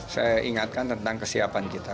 saya ingatkan tentang kesiapan kita